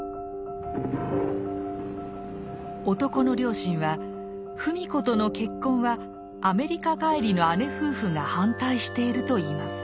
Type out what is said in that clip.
男の両親は芙美子との結婚はアメリカ帰りの姉夫婦が反対していると言います。